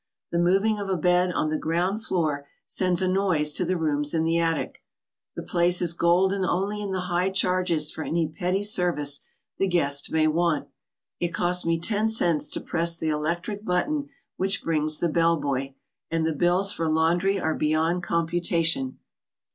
The moving of a bed on the ground floor sends a noise to the rooms in th* attic. The place is golden only in the high charges for any petty service the guest may want. It costs me ten cents to press the electric button which brings the bellboy, and the bills for laundry are beyond computation.